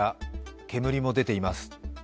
煙も出ています。